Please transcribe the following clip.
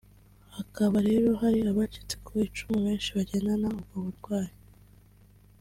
hakaba rero hari abacitse ku icumu benshi bagendana ubwo burwayi